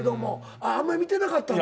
あんまり見てなかったんだ。